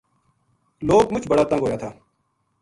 لوک مُچ بڑا تنگ ہویا تھا